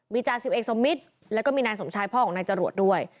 จาสิบเอกสมมิตรแล้วก็มีนายสมชายพ่อของนายจรวดด้วย